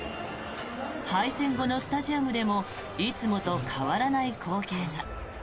敗戦後のスタジアムでもいつもと変わらない光景が。